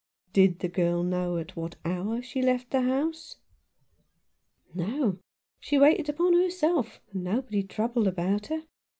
"Did the girl know at what hour she left the house ?" "No. She waited upon herself, and nobody troubled about her.